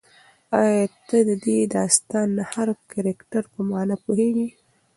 ایا ته د دې داستان د هر کرکټر په مانا پوهېږې؟